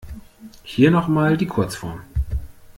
Hier noch mal die Kurzform.